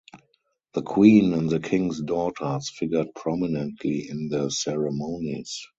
The queen and the king's daughters figured prominently in the ceremonies.